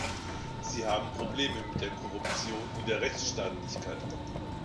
Sie haben Probleme mit der Korruption und der Rechtsstaatlichkeit.